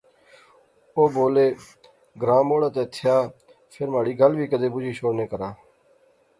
او بولے، گراں موہڑا تے تھیا فیر مہاڑی گل وی کیدے بجی شوڑنے کرا